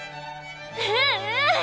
うんうん！